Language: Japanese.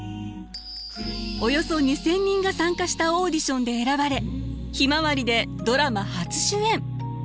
およそ２，０００人が参加したオーディションで選ばれ「ひまわり」でドラマ初主演。